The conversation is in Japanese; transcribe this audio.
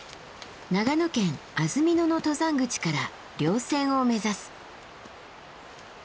長野県安曇野の登山口から稜線を目指す。